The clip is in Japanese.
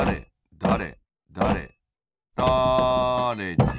「だれだれだれじん」